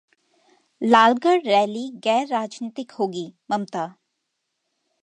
Lalgarh rally गैर राजनीतिक होगी: ममता